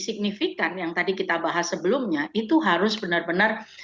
signifikan yang tadi kita bahas sebelumnya itu harus benar benar